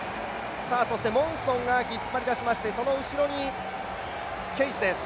モンソンが引っ張り出しまして、その後ろにケイスです。